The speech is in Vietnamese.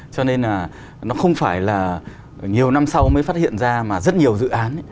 cho nên là nó không phải là nhiều năm sau mới phát hiện ra mà rất nhiều dự án